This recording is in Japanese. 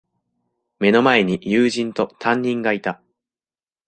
目の前に友人と、担任がいた。